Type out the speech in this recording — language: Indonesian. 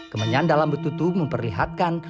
kemenyan dalam betutu memperlihatkan